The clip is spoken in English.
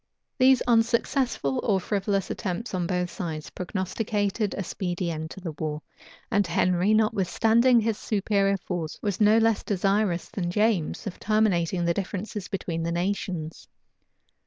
These unsuccessful or frivolous attempts on both sides prognosticated a speedy end to the war; and Henry, notwithstanding his superior force, was no less desirous than James of terminating the differences between the nations.